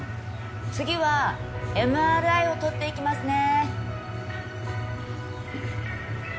次はＭＲＩを撮っていきますね。